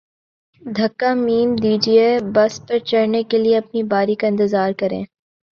دھکا م دیجئے، بس پر چڑھنے کے لئے اپنی باری کا انتظار کریں